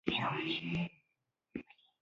د هغه دعا قبوله کېده.